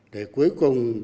để cuối cùng